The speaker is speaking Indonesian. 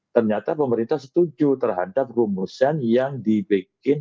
ternyata pemerintah setuju terhadap rumusan yang dibikin